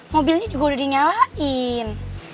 mobilnya juga udah dinyalain